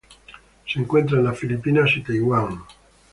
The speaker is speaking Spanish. Se encuentra en las Filipinas y Taiwán.